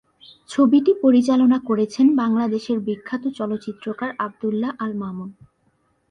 ছবিটি পরিচালনা করেছেন বাংলাদেশের বিখ্যাত চলচ্চিত্রকার আবদুল্লাহ আল মামুন।